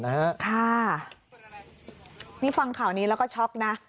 นี่ฟังข่าวนี้แล้วก็ช็อกนะ